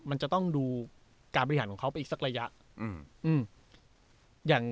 มันจะต้องดูการบริหารของเขาไปอีกสักระยะ